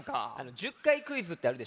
１０かいクイズってあるでしょ？